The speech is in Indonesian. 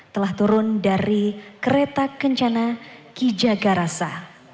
telah turun dari kereta kencana kijagarasa